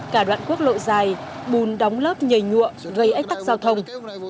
cả đoạn quốc lộ dài bùn đóng lớp nhảy nhuộm gây ách tắc giao thông